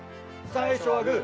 最初はグー。